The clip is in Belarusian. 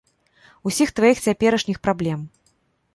Усіх тваіх цяперашніх праблем.